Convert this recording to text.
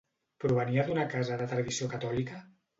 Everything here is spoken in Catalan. Provenia d'una casa de tradició catòlica?